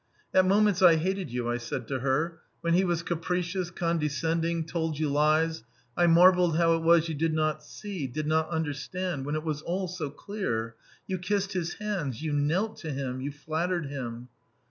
"At moments I hated you," I said to her. "When he was capricious, condescending, told you lies, I marvelled how it was you did not see, did not understand, when it was all so clear! You kissed his hands, you knelt to him, you flattered him.